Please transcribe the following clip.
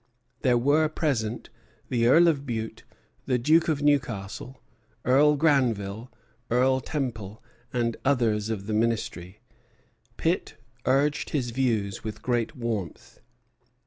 There were present the Earl of Bute, the Duke of Newcastle, Earl Granville, Earl Temple, and others of the Ministry. Pitt urged his views with great warmth.